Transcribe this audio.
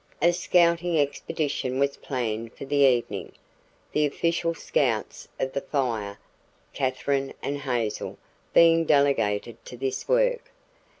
A scouting expedition was planned for the evening, the "official scouts" of the Fire Katherine and Hazel being delegated to this work.